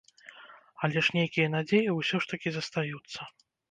Але ж нейкія надзеі ўсё ж такі застаюцца.